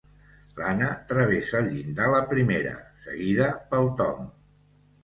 L'Anna travessa el llindar la primera, seguida pel Tom.